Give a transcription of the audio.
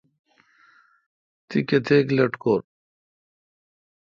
تی کتیک لٹکور؟